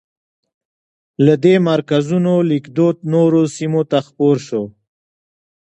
له دې مرکزونو لیکدود نورو سیمو ته خپور شو.